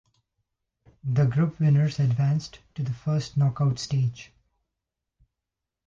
The group winners advanced to the first knockout stage.